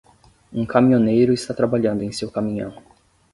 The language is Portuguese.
Um caminhoneiro está trabalhando em seu caminhão.